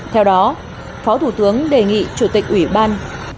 theo đó phó thủ tướng đề nghị chủ tịch uban